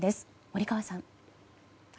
森川さん。